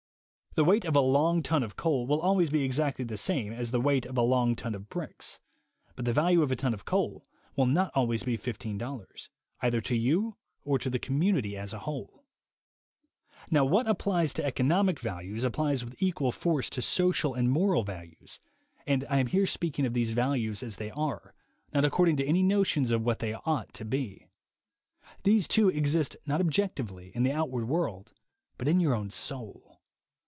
The weight of a long ton of coal will always be exactly the same as the weight of a long ton of bricks; but the value of a ton of coal will not always be $15, either to you or to the community as a whole. Now what applies to economic values applies with equal force to social and moral values (and THE WAY TO WILL POWER 49 I am here speaking of these values as they are, not according to any notions of what they ought to be). These, too, exist not objectively, in the outward world, but in your own soul.